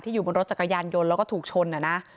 อยู่บนรถจักรยานยนต์แล้วก็ถูกชนอ่ะนะ